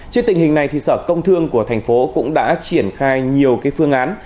trên tình hình này thì sở công thương của thành phố cũng đã triển khai nhiều phương án